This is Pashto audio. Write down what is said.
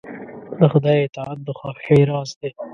د خدای اطاعت د خوښۍ راز دی.